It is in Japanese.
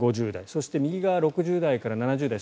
そして、右側６０代から７０代。